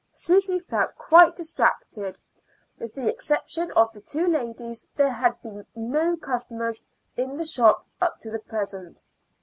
Susy felt quite distracted. With the exception of the two ladies, there had been no customer in the shop up to the present.